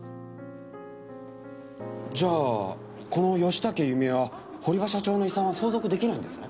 じゃあこの吉竹弓枝は堀場社長の遺産は相続出来ないんですね？